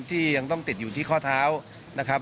ที่ยังต้องติดอยู่ที่ข้อเท้านะครับ